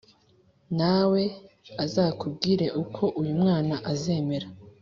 na we azakubwire uko uyu mwana azamera”